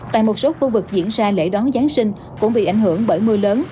tại một số khu vực diễn ra lễ đón giáng sinh cũng bị ảnh hưởng bởi mưa lớn